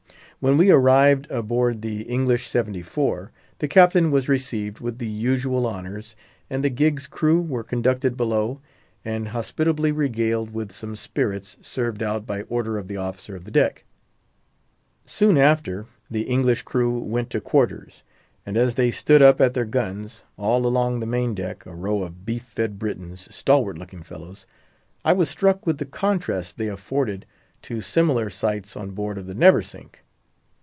When we arrived aboard the English seventy four, the Captain was received with the usual honours, and the gig's crew were conducted below, and hospitably regaled with some spirits, served out by order of the officer of the deck. Soon after, the English crew went to quarters; and as they stood up at their guns, all along the main deck, a row of beef fed Britons, stalwart looking fellows, I was struck with the contrast they afforded to similar sights on board of the Neversink.